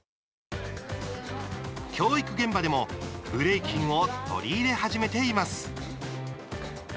教育現場でもブレイキンを取り入れ始めています。